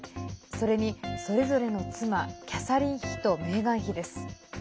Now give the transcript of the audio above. それに、それぞれの妻キャサリン妃とメーガン妃です。